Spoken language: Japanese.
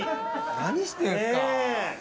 何してるんですか。